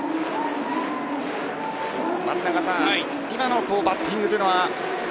今のバッティングというのは？